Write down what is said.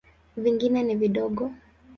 Vingine ni vidogo.